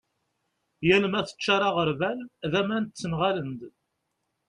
yal ma teččar aγerbal d aman ttenγalen-d